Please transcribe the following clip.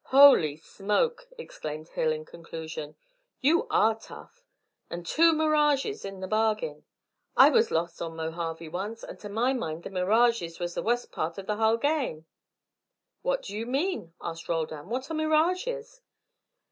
"Holy smoke!" exclaimed Hill, in conclusion, "you are tough! And two mirages in the bargain. I was lost on Mojave once, and to my mind the mirages was the wust part of the hull game." "What do you mean?" asked Roldan. "What are mirages?"